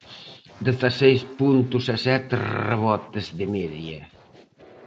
Dezaseis puntos e sete rebotes de media.